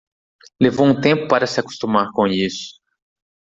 Levou um tempo para se acostumar com isso.